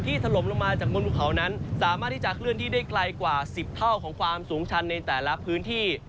ถล่มลงมาจากบนภูเขานั้นสามารถที่จะเคลื่อนที่ได้ไกลกว่า๑๐เท่าของความสูงชันในแต่ละพื้นที่